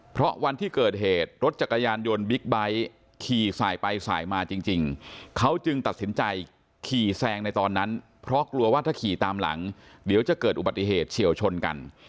เพราะวันที่เกิดเหตุรถจักรยานยนต์บิ๊กไบท์ขี่สายไปสายมาจริงเขาจึงตัดสินใจขี่แซงในตอนนั้นเพราะกลัวว่าถ้าขี่ตามหลังเดี๋ยวจะเกิดอุบัติเหตุเฉียวชนกัน